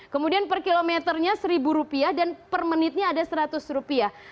kemudian per kilometernya seribu rupiah dan per menitnya ada seratus rupiah